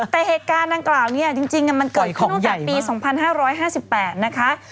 แต่เหตุการณ์ดังกล่าวเนี่ยจริงมันเกิดขึ้นตั้งแต่ปี๒๕๕๘นะคะ